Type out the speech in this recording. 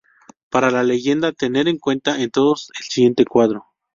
Para la leyenda tener en cuenta en todos el siguiente cuadro.